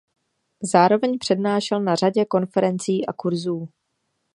Zároveň přednášel na řadě konferencí a kurzů.